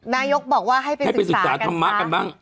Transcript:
นายกบอกว่าให้ไปศึกษากันค่ะ